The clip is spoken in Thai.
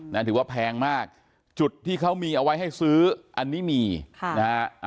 ถือว่าแพงมากจุดที่เขามีเอาไว้ให้ซื้ออันนี้มีค่ะนะฮะ